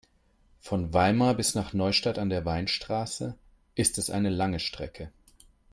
Von Weimar bis nach Neustadt an der Weinstraße ist es eine lange Strecke